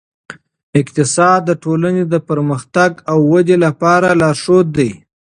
اقتصاد د ټولنې پرمختګ او ودې لپاره لارښود دی.